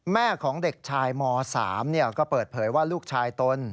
แม่ของเด็กชายม๓ก็เปิดเผยว่าลูกชายตน